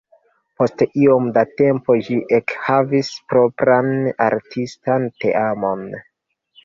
Post iom da tempo ĝi ekhavis propran artistan teamon.